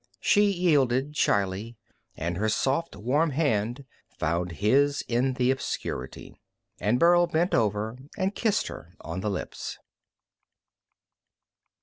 She yielded shyly, and her soft, warm hand found his in the obscurity. And Burl bent over and kissed her on the lips.